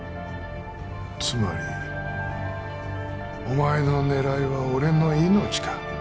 つまりお前の狙いは俺の命か？